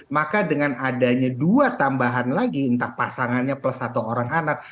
maka dengan adanya dua tambahan lagi entah pasangannya plus satu orang anak